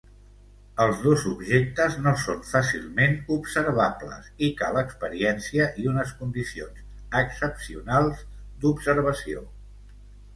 Els dos objectes no són fàcilment observables i cal experiència i unes condicions excepcionals d'observació.